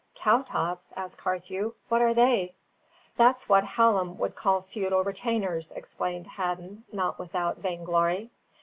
"Cowtops?" asked Carthew, "what are they?" "That's what Hallam would call feudal retainers," explained Hadden, not without vainglory.